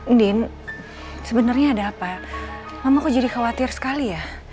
andin sebenarnya ada apa mama kok jadi khawatir sekali ya